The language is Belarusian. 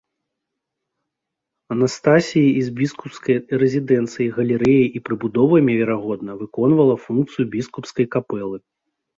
Анастасіі і з біскупскай рэзідэнцыяй галерэяй і прыбудовамі, верагодна, выконвала функцыю біскупскай капэлы.